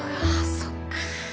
そっか。